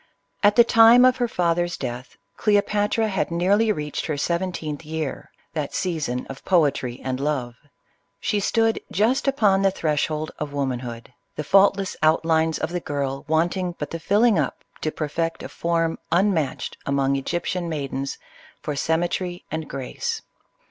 At the time of her father's death, Cleopatra had nearly reached her seventeenth year — that season of poetry and love. She stood just upon the threshold of womanhood,— the faultless outlines of the girl want ing but the filling up to perfect a form unmatched among Egyptian maidens for symmetry and grace.